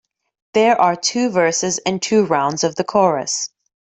There are two verses and two rounds of the chorus.